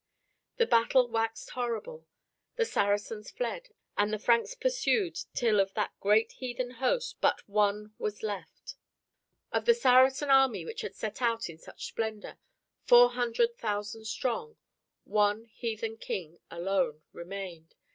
The battle waxed horrible. The Saracens fled, and the Franks pursued till of that great heathen host but one was left. Of the Saracen army which had set out in such splendor, four hundred thousand strong, one heathen king alone remained.